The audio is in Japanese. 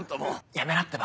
やめなってば。